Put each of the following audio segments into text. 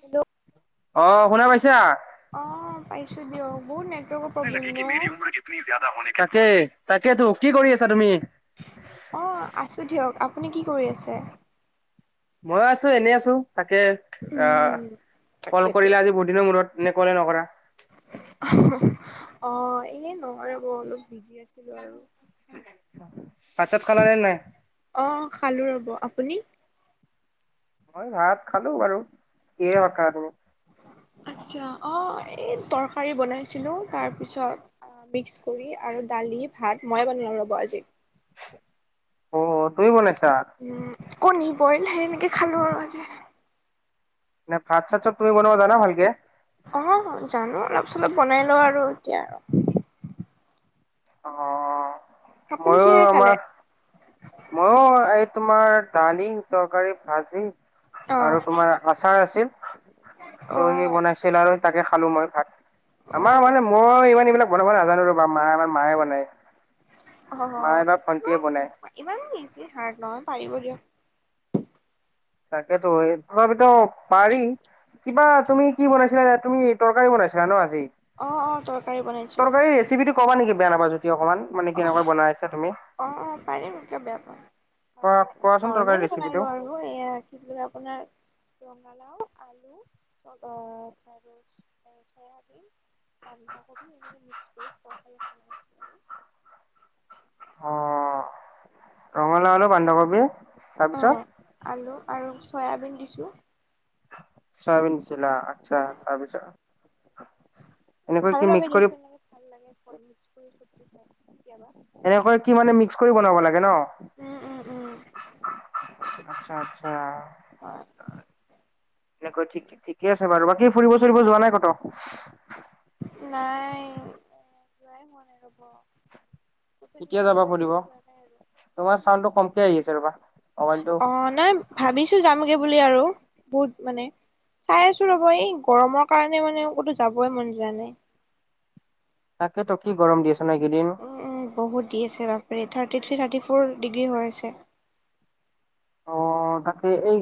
Hello! অ শুনা পাইছা? অ পাইছো দিয় বহুত নে লাগে কি মেৰি উমৰ কিতনি য্যাদা হনে কা! ! ! তাকে তাকে তো কি কৰি আছা তুমি? অ আছো দিয়ক, আপুনি কি কৰি আছে? মই আছো এনেই আছো তাকে আহ উম কল তাকেতো কৰিলে আজি বহুতদিনৰ মূৰত নে কলে নকৰা? অ এয়ে নোৱাৰে বৌ অলপ বিজি আছিলো আৰু। ভাত চাত খালা নে নাই? অ খালো ৰব, আপুনি? মই ভাত খালো বাৰু এ সক আচ্ছা, অ এই তৰকাৰী বনাইছিলো তাৰপিছত মিক্স ৰি আৰু দালি ভাত মইয়ে বনাই লওঁ ৰ'ব আজি। অ তুমি বনাইছ উম কণী বইল সেই এনেকে খালো আৰু আজি। নে ভাত চাত চব তুমি বনাবা জানা ভালকে? অ জানো অলপ চলপ বনাই লওঁ আৰু এতিয়া আৰু অ। আপুনি মইয়ো কিহেৰে খালে? আমাৰ মইয়ো এই তোমাৰ দালি, তৰকাৰী, ভাজি অঁ আৰু তোমাৰ আচাৰ আছিল, চ' অঁ সি আচ্ছা বনাইছিল আৰু তাকে খালো মই ভাত, আমাৰ অঁ মানে মই ইমান এইবিলাক বনাব নাজানো ৰ'বা মা মানে মায়ে বনায়। অ মায়ে বা ভন্টিয়ে বনাই ইমানো বেছি হাৰ্ড নহয়। পাৰিব দিয়ক। তাকেইতো এই তথাপিতো পাৰি। কিবা তুমি কি বনাইছিলা তুমি তৰকাৰী বনাইছিলা ন আজি? অ অ তৰকাৰী বনাইছো। তৰকাৰীৰ ৰেচিপিটো কবা নেকি বেয়া নাপাবা যদি অকণমান মানে অ কেনেকোৱা বনাইছা তুমি? অ পাৰিম কিয় বেয়া পাম? কোৱা মানে কোৱাচোন তৰকাৰী নৰ্মেলি ৰেচিপিটো বনালো আৰু এয়া কি কলে আপোনাৰ ৰঙালাও, আলু আ আৰু চয়াবিন বন্ধাকবি এনেকে মিক্স কৰি থোৱাফালে বনাই আছো আৰু। অ ৰঙালাও, আলু, বন্ধাকবি আৰু তাৰপিছত আলু আৰু চয়াবিন দিছোঁ। চয়াবিন দিছিলা, আচ্ছা তাৰপিছত এনেকৈ কি মিক্স কৰি [unintelligible] এনেকৈ কি মানে মিক্স কৰি বনাব লাগে ন? উম উম উম আচ্ছা আচ্ছা। হয়। এনেকৈ ঠিক ঠিকে আছে বাৰু বাকী ফুৰিব চুৰিব যোৱা নাই কত। লাই লাই মনে ৰ'ব। ক'তো কেতিয়া এনেকে যাবা ওলাই পব কেনে যোৱা নাই আৰু এই তোমাৰ ছাউণ্ডটো ভাবিছো কমকে আহি আছে ৰবা। মোবাইলটো অ নাই ভাবিছো যামগে বুলি আৰু বহুত মানে। চাই আছো ৰ'ব এই গৰমৰ কাৰণে মানে কতো যাবই মন যোৱা নাই। তাকে ট কি গৰম দি আ। উম বহুত দি আছে বাপৰি। থাটি ট্ৰি ফ'ৰ ডিগ্ৰী হৈ আ হৈছে। অ তাকে এই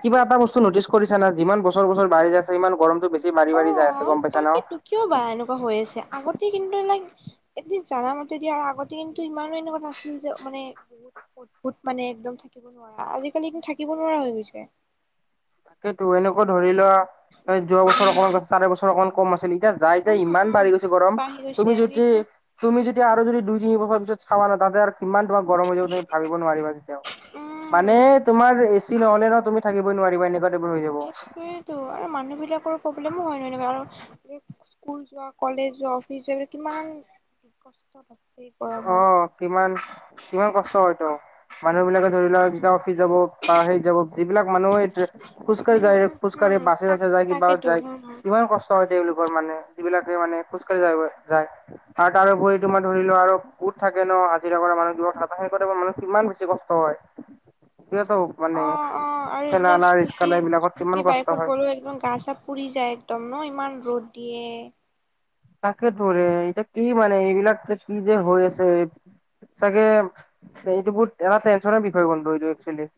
কিবা এটা বস্তু নটিচ কৰিছা না যিমান বছৰ বছৰ বাঢ়ি য আছে ইমান গৰমটো বেছি বাঢ়ি বাঢ়ি। অ যাই আছে গম পাইছা ন তাকো কিয় বা এনেকুৱা হৈ আছে আগতে কিন্তু এইিলাক। এ জামতেদি আৰু আগতে কিন্তু ইমানো এনেকুৱা নাছিল যে মানে বহুত। অদ্ভুত মানে একদম থাকিব নোৱাৰা আজিকালি কিন্তু থাকিব নোৱাৰা হৈ গৈছে। তাকেইো এনেকুৱা ধৰি লোৱা, যোৱা বছৰ অকমান চাৰে বছৰ অকমান কম আছিলি। এতিয়া যাইতি উম ইমান উম বাঢ়ি গৈছে গৰম, বাঢ়ি তুমি গৈছে যদি, সেইটোৱে তুমি যদি আৰু যদি দুই। চাৱা নতা আৰু। কিমান তোমাৰ গৰম হৈ যাব তুমি ভাবিব নোৱাৰিবা, কেতিয়াও মানে উম তোমাৰ। ছিল হ'লে ন তমিকিবই নোৱাৰিবা এনেুৱা। সটোয়ো আৰু মানুহ বিলাকৰ প্ৰব্লেমো হয় ন এনেকুৱা আৰু। স্কুল যোৱা কলেজ যোৱা অফিচ যোৱা কিমান দি কষ্ট প। অ কিমান কিমান কষ্ট হয়তো, মানুহ বিলাকে ধৰি লওক একদম। কি যাব বা সেই যাব যিবিলাক মানুহে, খোজ কাঢ়ি উম যায় উম খোজ কাঢ়ি উম বাছে তাক বাছে যায় কিবা তাকেতো য। উম উম কিমান কষ্ট হয় হৈছে এই বুলি। মানে যিবিলাকে মানে খোজকাঢ়ি যায় যায়, ত আৰু বটো মই ধৰি লোৱা আৰু। ক'ত থাকে ন হাজিৰা কৰা মানুহ কিব হাত খিনি মানুহ কিমান বেছি কষ্ট হয়। সেইতো মানে। অ অ আৰু ঠেলা যে ৰিক্সা স্কুটি এইবিলাকত কিমান স্কুটি কষ্ট বাইকৰ হয়। গো একদম গা চা পুৰি যায় একদম ন ইমান। ৰ'দ দিয়ে। তাকে ধৰে এইতি কি মানে এইবিলাক, যে কি যে হৈ আছে। চাগে, এইটো বহুত এটা টেনচনৰ বিষয় গন্টো এইটো একচেলি।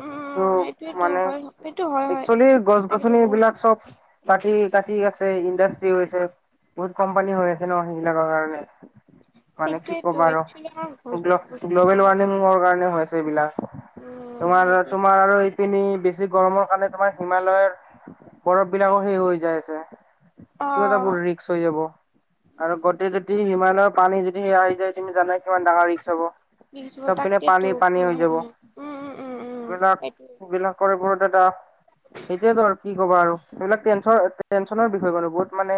উম সেইটোয়েতো হয় সেই। একচেলি গছ গছনিবলাক চব কাটি কাটি আছে ইণ্ডাষ্ট্ৰি হৈছে। বহুত কোম্পানী হৈ আছে ন সেইবিলাকৰ কাৰণে। মানে কি সেইটোয়েতো ক'বা আৰু, একচুৱেলি আমাৰ গ্ গ্ল'বেল অ ৱাৰ্মিঙৰ কাৰণে আ হৈছে এইবিলাক। উম তোমাৰ সেইটোৱে তোমাৰ আৰু। পিনি বেছি গৰমৰ কাৰণে তোমাৰ হিমালয়ৰ, বৰফ বিলাকো শেষ হৈ যাই আছে। অ। চ হৈ যাব আৰু গোটেই যদি হিমালয়ৰ পানী যদি সে আহি যায়ি জানাই সমান ডাঙৰ ৰিক্স হব। বিছ চব পিনে থাকটেতো পানী পানী উম হৈ যাব উম উম উম উম উম উম এইটোয়। তেত। সেইটয়েতো আৰু কি ক'ব আৰু এইবিলাক টেনন টেনচনৰ বিষয়ে কনো বহুত মানে।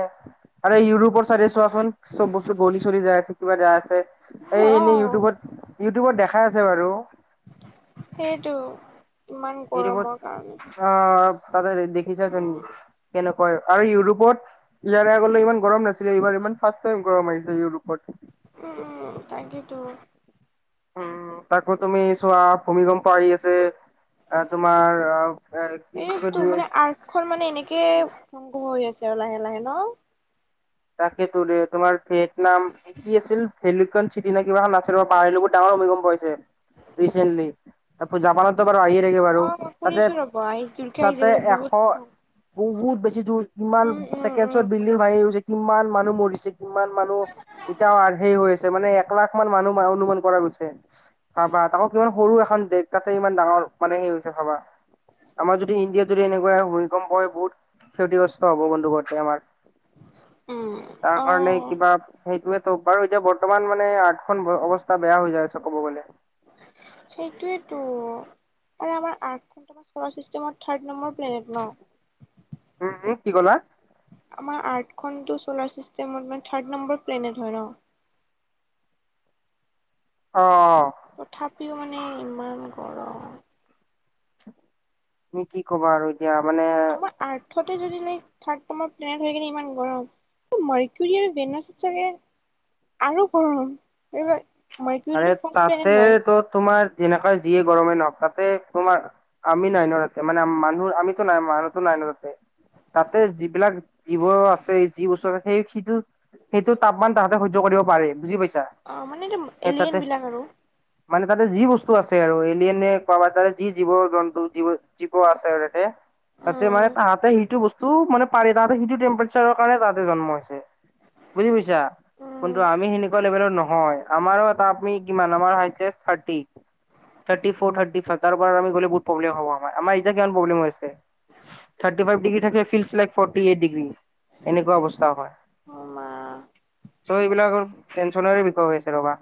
আৰু এই ইউৰোপৰ চাইডে চোৱাচোন চব বস্তু গলি চলি যাই আছে কিবা যাই আছে। এই এনেই অ', ইউটিউবত ইউটিউবত দেখাই আছে বাৰু। সেইটো। ইমান এইটোপত গৰমৰ কাৰণে। অ ততে দেখিছেচোন কনে। হয় আৰু ইউৰোপত, ইয়াৰে আগলে ইমান গৰম নাছিলে এইবাৰ ইমান ফাৰ্ষ্ট টাইম গৰম আহিছে ইউৰোপত। উম উম তাকেইেতো। উম তাকো তুমি চোৱা ভূমিকম্পাৰি আছে, তোমাৰ। এ, কি বুলি কয় এইতো মানে দু- আৰ্টখন মানে এনেকে সংগ্ৰহ হৈ আছে আৰু লাহে লাহে ন। তাকে তোলে তোমাৰ ভিয়েটনাম এ কি আছিল ভেলকন চিটি নে কিবাখন আছিলাৰ পাহাৰত ডাঙৰ। ম পাইচেণ্টলি তাৰ জাপানতো বাৰু আহিয়ে থাকে বাৰু অ', তাতে। শুনিছো ৰ'ব আহি জোৰকে তাতে আহিছে বোলে এশ বহুত উম, বহুত বেছি দূৰ ইমান উম, ছেকেণ্ডছত উম, বিল্ডিং উম, ভাঙি গৈছে। কিমান মানুহ মৰিছে কিমান মানুহ এতিয়াও আৰ্হেই হৈ আছে মানে। এক লাখ মান মানুহ অনুমান কৰা গৈছে হ বা তাকক ইমান সৰু এখন দেশ তাতে ইমান ডাঙৰ মানে। জোকে খাবা। আমাৰ যদি ইণ্ডিয়াত যদি এনেকুৱা ভূমিকম্প হয় বহুত ক্ষতিগ্ৰস্ত হব বন্ধু ঘতে আমাৰ। উম, তাৰ কাৰণে অ', কিবা। সেইটোয়েতো বাৰু এতিয়া বৰ্তমান মানে আগখন অৱস্থা বেয়া হৈ যায় আছে ক'ব গ'লে। সেইটোৱেইটো আৰু আমাৰ আঠ ঘণ্টামান চল চিষ্টেমত থাৰ্ড নম্বৰ। প্লেনেট ন? উম কি কলা। আমাৰ আৰ্থখনটো চ'লাৰ চিষ্টেমত মানে থাৰ্ড নম্বৰ প্লেনেট হয় ন। অ। তথাপিও মানে ইমান। গৰম। তুমি কি কবা আৰু এতিয়া মানে। য ল থাৰ্ড টৰ প্লেনেট হৈ কিনে ইমান গৰম মাৰকিউৰি আৰু ভেনছত চাগে। আৰু গৰম এইবাৰ। আৰু মাৰ্কুৰীটো ফাৰ্ষ্ট প্লেনেট হয় তাতেতো তোমাৰ যেনেকা যিয়ে গৰমে নহওঁক। তাতে তোমাৰ আমি নাই ন তাতে মানে মানুহ আমিতো নাই মানুহতো নাই ন তাতে। তাতে যিবিলাক জীৱ আছে যি চৰ সেই সিটো। সেইটো তাপমান তাহাঁতে সহ্য কৰিব পাৰে বুজি পাইছ। অ মানে এটো। স তাতে মানে তাতে। যি বস্তু আছে আৰু এলিয়ান কাব তাৰে যি জীৱ জন্তু জীৱ জীৱ আছে আৰু তাতে। তাতে মানে উম তাহাঁতে সেইটো বস্তু মানে পাৰি তাহতে সেইটো টেম্পচাৰৰ কাৰণে তাহতে জন্ম হৈছে বুজি পাইছা কিন্তু উম আমি সেনেকুৱা লেভেলত নহয় আমাৰো আ আপমি কিমান আমাৰ হাইছে থাৰটি থাৰ্টি ফত থাৰ্টি ফ তাৰ আম গলে বহু প্ৰব্লেম হব আমাৰ আমাৰ ইতিয়া কিমান প্ৰব্লেম হৈ আছে থাৰ্টি ফাইভ ডিগ্ৰী থাকে feel like forty eight degree এনেকুৱা অৱস্থা হয় অ মা ত' এইবিলাকৰ টেনচনে বিষয় হৈছে ৰবা।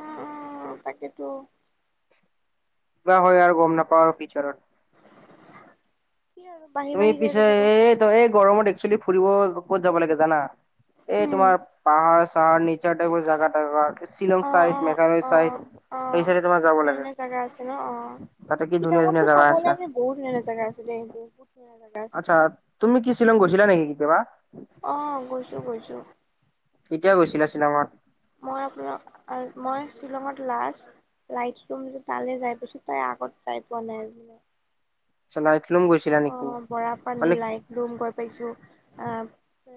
উম উম তাকেতো কিব হয় আৰু গম নাপাও ফিউচাৰত কি আৰু বাঢ়ি তুমি বাঢ়ি যাই পিছে থাকিব এই এই গৰমত একচুৱেলি ফুৰিব ক'ত যাব লাগে জানা এই উম তোমাৰ পাহাৰ চাহাৰ নেচাৰ টাইপৰ জেগা এ অ শ্বিলং অ চাইড অ মেঘালয় চাইড। অ সেই চাইডে তোমাৰ যাব ধুনীয়া লাগে ধুনীয়া জাগা আছে ন অ তাতে কি ধুনীয়া শ্বিলঙতো ধুনীয়া জাগা চাবলে আছে বহুত ধুনীয়া জেগা আছিলে বহুত ধুনীয়া জেগা আছে আচ্ছা তুমি কি শ্বিলং গৈছিলা নেকি কেতিয়াবা আহ গৈছো গৈছো কেতিয়া গৈছিলা শ্বিলংত মই আপোনাৰ মই শ্বিলঙত লাষ্ট লাইটৰুম যে তালৈ যাই পাইছোঁ। আগত চাই পোৱা নাই আৰু ব। চল আই অ বৰা পানী লাইক ৰুম গৈ পাইছো আহ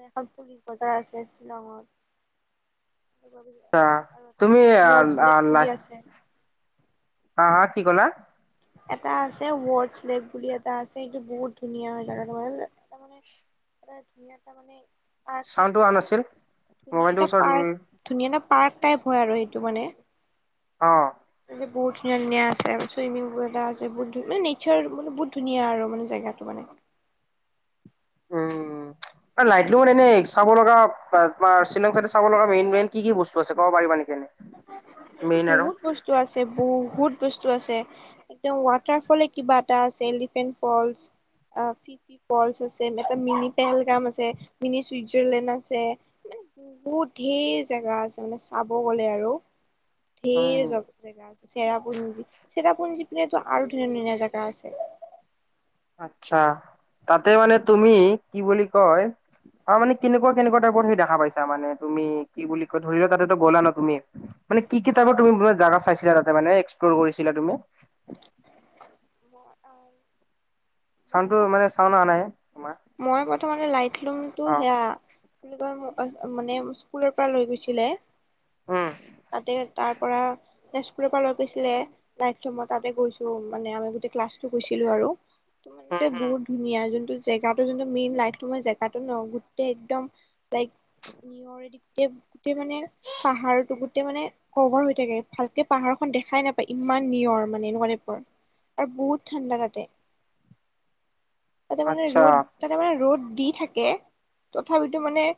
এখন পুলিচ বজাৰ আছে শ্বিলংত এখন আ আৰু এটা তুমি আ আ ৱৰ্ডশ্লেক লাই বুলি আছে। হা হা কি ক'লা এটা আছে ৱৰ্ডশ্লেক বুলি এটা আছে সেইটো বহুত ধুনীয়া হয় জেগাটো মানে এটা মানে ত ধুনীয়া ত মানে পাৰ্ক চাউণ্ডটো অহা টাইপৰ আৰু নাছিল ধুনীয়া মোবাইলটো এটা ওচৰত লৈ পাৰ্ক ধুনীয়া এটা পাৰ্ক টাইপ হয় আৰু সেইটো মানে। অ বুটত নে আছে সইমিং এটা আছে বহুত ধ মানে নেচাৰ মানে বহুত ধুনীয়া আৰু মানে জেগাটো মানে [unintelligible] লাইটলি এনে চাব লগা তোমাৰ শ্বিলং চাইড চাব লগা মেইন মেইন কি কি বস্তু আছে ক'ব পাৰিবা শ নকে নি বহুত বস্তু আছে বহুত বস্তু আছে একদম ৱাটাৰ ফলে কিবা এটা আছে এলিফেন্ট ফলচ ফিফি ফলচ আছে, এটা মিনি পেলগাম আছে, মিনি চুইজাৰলেণ্ড আছে। বহুত ধেৰ জোগা আছে মানে চাব গলে আৰু ধঢেৰ উম জ জেগা আছে চেৰাপুঞ্জী চেৰাপুঞ্জী পিনেতো আৰু ধুনীয়া ধুনীয়া জেগা আছে [unintelligible] আ্ছা তাতে মানে তুমি কি বুলি কয়? অ মানে কেনেকুৱা কেনেকুৱা টাইপত সেই দেখা পাইছা মানে তুমি কি বুলি কয় ধৰি লোৱা তাতো গ'লা ন তুমি মানে কি কিতাপ তুমি জাগা চাইছিলা তাতে মানে এক্সপ্লৰ কৰিছিলা তুমি উ অ মই চাউণ্ডটো মানে চাউণ্ড অহা নাই তোমাৰ মই প্ৰথমতে লাইটলুমটো অ সেয়া ক মানে স্কুলৰ পৰা লৈ গৈছিলে উম তাতে তাৰ পৰা তেজকুৰৰ পৰা লৈ গৈছিলে লাইক মই তাতে গৈছো মানে আমি গোটেই ক্লাছটো গৈছিলো আৰু উম ত উম বহুত ধুনীয়া যোনটো জেগাো যোনটো মেইন লাই মই জেগাো ন গোটেই একদম লাই নি গোটেই মানে পাহাৰটো গোটেই মানে কভৰ হৈ থাকে ভালকে পাহাৰ খখন দেখ খাই নাপায় ইমান নিয়ৰ মানে এনেকুৱা টাইপৰ আৰু বহুত ঠাণ্ডা কাটে। তাতে মানে আচ্ছা ৰ'দ, তাতে মানে ৰ'দ। দি থাকে, তথাপিতো মানে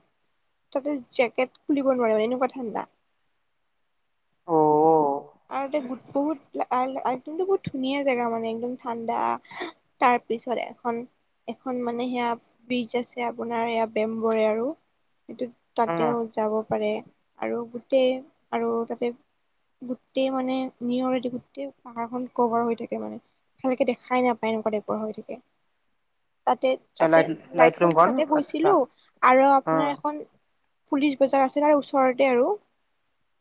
তাতে জেকেট খুলিব নোৱাৰি মানে, এনেকুৱা ঠাণ্ডা। অ আৰু তাতে বহুত বহুত ধুনীয়া জেগা মানে, একদম ঠাণ্ডা! তাৰ পিছত এখন এখন মানে সেয়া ব্ৰিজ আছে আপোনাৰ, সেয়া বেম্বৰে আৰু সেইটো উম তাতেও যাব পাৰে, আৰু গোটেই আৰু তাতে। গোটেই মানে নিয়ৰেদি গোটেই পাহাৰখন কভাৰ হৈ থাকে মানে, ভালকে দেখাই নাপায় এনেকুৱা টাইপ পৰ হৈ থাকে। তাতে আচ্ছা তাতে লাইট লাইট লাইটলুম ৰুমখন তাতে আচ্ছা গৈছিলো, আৰু উম আপোনাৰ এখন পুলিচ বজাৰ আছে তাৰ ওচৰতে আৰু।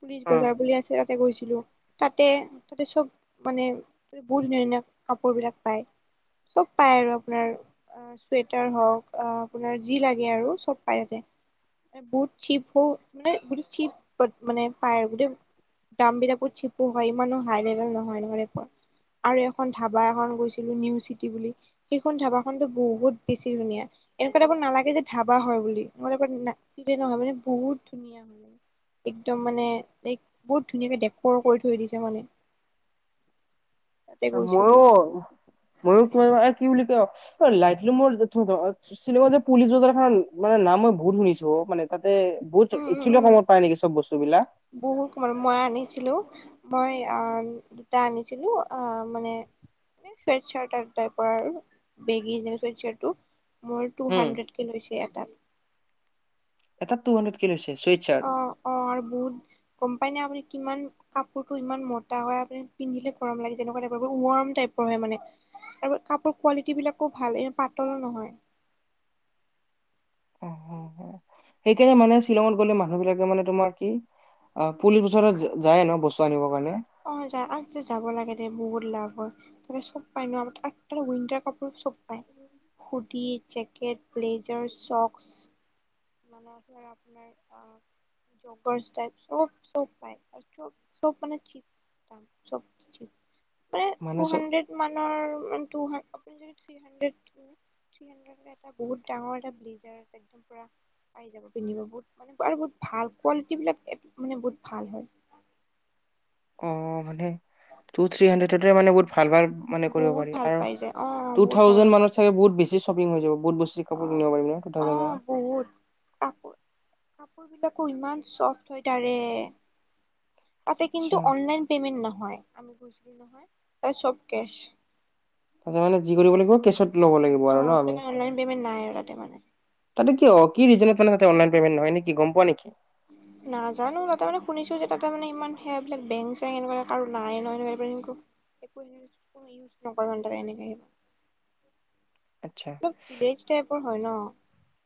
পুলিচ উম বজাৰ বুলি আছে তাত গৈছিলো। তাতে-তাতে চব মানে তাতে বহুত ধুনীয়া ধুনীয়া কাপোৰবিলাক পায়। চব পাই আৰু আপোনাৰ চুৱেটাৰ হওঁক, আপোনাৰ যি লাগে আৰু চব পায় তাতে। বহুত চিপ হয় মানে, বহুত চিপ মানে পায় বু দাম বিলাকো চিপু হয়, ইমানো হাই লেভেল নহয় নহয় টাইপৰ আৰু এখন ধাবা এখন গৈছিলো, নিউ চিটি বুলি সেইখন ধাবাখনো বহুত বেছি ধুনীয়া। এনেকুৱা টাইপৰ নালাগে যে ধাবা হয় বুলি, মানে নহয় মানে বহুত ধুনীয়া হয়। একদম মানে, লাইক বহুত ধুনীয়াকে ডেকৰ কৰি থৈ দিছে মানে। তাতে আচ্ছা গৈছিলো ময়ো, ময়ো তোমাৰ এ কি বুলি কয়? লাইটলুমৰ, শ্বিলঙত যে পুলিচ বজাৰখনৰ মানে নাম মই বহুত শুনিছো। অ' মানে তাত বহুত উম উম একচুৱালি উম কমত পায় নেকি চব বস্তুবিলাক? বহুত মানে মই আনিছিলো মই অ', দুটা আনিছিলো আ মানে চোৱেট চাৰ্ট টাইপৰ আৰু, বেগি জীনছ চাৰটো মোৰ টু উম, হাণ্ড্ৰেডকে লৈছে এটাত। এটা টু-হাণ্ড্ৰেডকে লৈছে। চুইট চাৰ্ট অ' অ' আৰু বুধ গম পাই নে আপুনি? কিমান কাপোৰটো ইমান মোটা হয় আপুনি পিন্ধিলে গৰম লাগে, যেনেকুৱা টাইপৰ ৱৰম টাইপ। নহয় মানে, আৰু কাপোৰ কোৱালিটিবিলাকো ভাল। ইমান পাতল নহয়। অ অ অ, [unintelligible] সেইকাৰণে মানে শ্বিলঙত গ'লে মানুহবিলাকে মানে তোমাৰ কি! অ' পুলিচ বজাৰত যায় এনেও, বস্তু আনিবৰ কাৰণে। অ যা আ যাব লাগে বহুত লাভ হয়, তাতে চব পায় ন? উইণ্টাৰ কাপোৰ চব পায়। হুদি, জেকেট, ব্লেজাৰ, ছকচ মানে আপোনাৰ-আপোনাৰ আ জকৰচ টাইপ সব পায়। চব চিপ, মানে টু হানড্ৰেডমানৰ টু-হাণ্ড্ৰেড, আপুনি যদি থ্ৰী- হাণ্ড্ৰেড দিও থ্ৰী হাণ্ড্ৰেডৰ এটা বহুত ডাঙৰ এটা ব্লেজাৰ, একদম পুৰা পাই যাব, পিন্ধিব। বহুত মানে আৰু বহুত ভাল, কোৱালিটীবিলাক মানে বহুত ভাল হয়। [inaudible] অ' মানে, টু-থ্ৰী হাণ্ড্ৰেডতে মানে বহুত ভাল ভাল ভাল মানে কৰিব বহুত পাৰি, ভাল আৰু পাই যায় অ টু- বহুত ভাল ভাল থাউজেণ্ডমানত মানত অ চাগে বহুত বেছি শ্বপিং হৈ যাব। বহুত বস্তু, কাপোৰ কিনিব পাৰিম ন? অ টু-থাউজেণ্ড মানত। বহুত কাপোৰ কাপোৰ বিলাকো ইমান চফট হয় তাৰে, তাতে আচ্ছা কিন্তু অনলাইন পেমেন্ট নহয়। [unintelligible] আমি গৈছিলোঁ নহয়, তাতে চব কেচ তাতে মানে যি কৰিব লাগিব, কেচত ল'ব লাগিব অ আৰু ন আমি! অনলাইন পেমেণ্ট নাই আৰু তাতে মানে তাতে কিয়? কি ৰিজনত অনলাইন পেমেণ্ট নহয়, গম পোৱা নেকি? উম। নাজানো তাতে মানে শুনিছো যে তাতে মানে ইমান সেয়া বিলাক বেং, চেং এনেকুৱা কাৰো নাই ন' [unintelligible] একো ইউজ আচ্ছা [unintelligible] অলপ ভিলেজ টাইপৰ হয় ন'